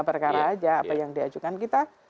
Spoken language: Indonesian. perkara aja apa yang diajukan kita